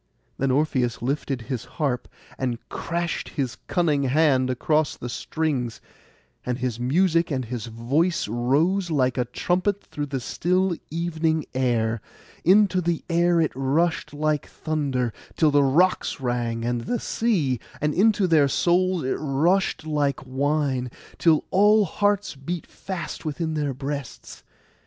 Then Orpheus lifted his harp, and crashed his cunning hand across the strings; and his music and his voice rose like a trumpet through the still evening air; into the air it rushed like thunder, till the rocks rang and the sea; and into their souls it rushed like wine, till all hearts beat fast within their breasts.